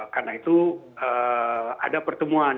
karena itu ada pertemuan